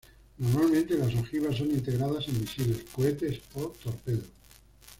Normalmente las ojivas son integradas en misiles, cohetes o torpedos.